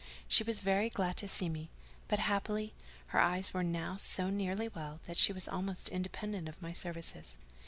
She was very glad to see me; but, happily, her eyes were now so nearly well that she was almost independent of my services.